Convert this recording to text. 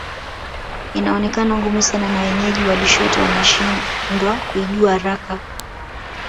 Inaonekana ngumu sana na wenyeji wa Lushoto wanashindwa kuijua haraka